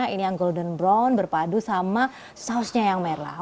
ini yang golden brown berpadu sama sausnya yang merah